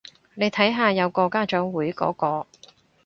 你睇下有個家長會嗰個